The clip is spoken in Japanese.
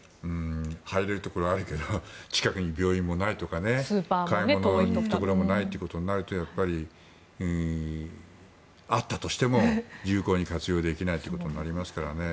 入れるところはあるけど近くに病院もないとか買い物に行くところもないとなるとやっぱりあったとしても有効に活用できないことになりますからね。